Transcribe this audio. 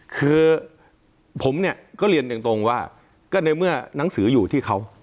คือผมเนี่ยก็เรียนตรงว่าก็ในเมื่อหนังสืออยู่ที่เขา